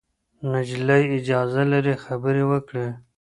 نجلۍ اجازه لري خبرې وکړي.